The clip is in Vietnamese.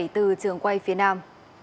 từ trường quay phía nam